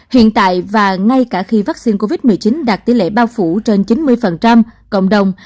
hiện tại và ngay cả khi vaccine covid một mươi chín đạt tỷ lệ bao phủ trên chín mươi cộng đồng